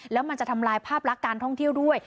แล้วมันจะทำลายภาพลักษณ์การท่องเที่ยวด้วย